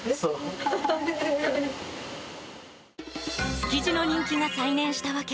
築地の人気が再燃した訳。